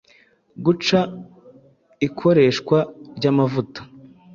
"guca ikoreshwa ry'amavuta